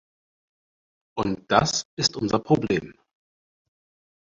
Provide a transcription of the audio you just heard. Und das ist unser Problem.